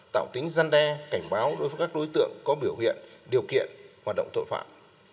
tạo tính gian đe cảnh báo đối với các đối tượng có biểu hiện điều kiện hoạt động tội phạm